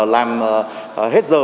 làm hết giờ